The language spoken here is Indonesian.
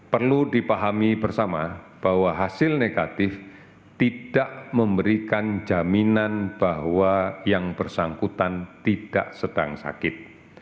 perlu dipahami bersama bahwa hasil negatif tidak memberikan jaminan bahwa yang bersangkutan tidak sedang sakit